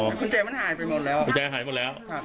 กุญแจมันหายไปหมดแล้วอ่ะกุญแจหายหมดแล้วครับ